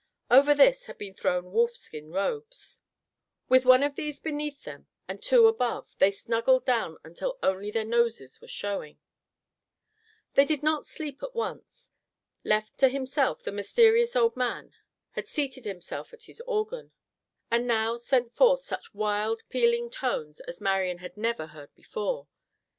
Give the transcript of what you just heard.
Over this had been thrown wolfskin robes. With one of these beneath them, and two above, they snuggled down until only their noses were showing. They did not sleep at once. Left to himself, the mysterious old man had seated himself at his organ, and now sent forth such wild, pealing tones as Marian had never heard before.